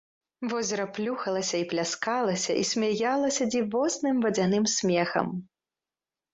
Возера плюхалася, і пляскалася, і смяялася дзівосным вадзяным смехам.